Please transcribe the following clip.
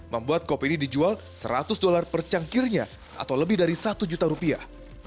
membuat kopi ini dijual seratus dolar per cangkirnya atau lebih dari satu juta rupiah